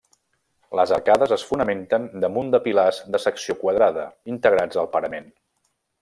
Les arcades es fonamenten damunt de pilars de secció quadrada, integrats al parament.